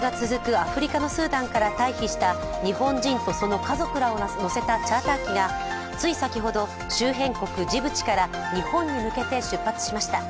アフリカのスーダンから退避した日本人とその家族らを乗せたチャーター機がつい先ほど、周辺国ジブチから日本に向けて出発しました。